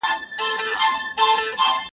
مرګ دژونداخيري نه ده